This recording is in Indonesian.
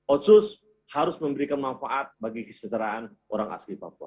otsus harus memberikan manfaat bagi kesejahteraan orang asli papua